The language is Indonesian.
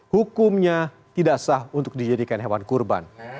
hukumnya tidak sah untuk dijadikan hewan kurban